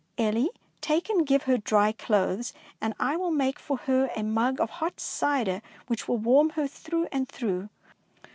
Elie, take and give her dry clothes, and I will make for her a mug of hot cider which will warm her through and through.